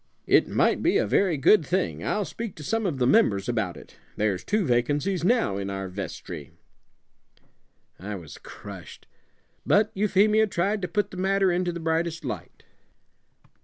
It might be a very good thing. I'll speak to some of the members about it. There's two vacancies now in our vestry.'" I was crushed; but Euphemia tried to put the matter into the brightest light.